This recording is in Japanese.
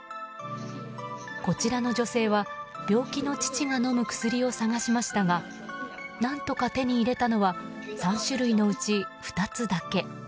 こちらの女性は病気の父が飲む薬を探しましたが何とか手に入れたのは３種類のうち２つだけ。